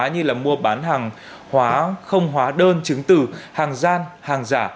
như mua bán hàng hóa không hóa đơn chứng tử hàng gian hàng giả